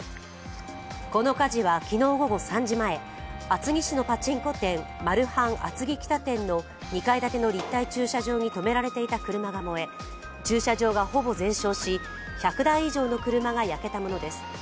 この火事は昨日午後３時前厚木市のパチンコ店、マルハン厚木北店の２階建ての立体駐車場に止められていた車が燃え駐車場がほぼ全焼し、１００台以上の車が焼けたものです。